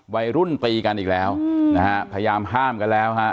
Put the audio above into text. วัยรุ่นตีกันอีกแล้วนะฮะพยายามห้ามกันแล้วฮะ